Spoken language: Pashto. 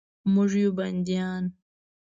موږ یو بندیان